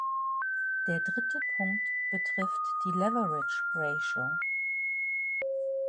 Der dritte Punkt betrifft die Leverage Ratio.